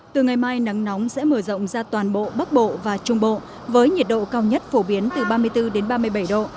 từ ngày mai nắng nóng sẽ mở rộng ra toàn bộ bắc bộ và trung bộ với nhiệt độ cao nhất phổ biến từ ba mươi bốn đến ba mươi bảy độ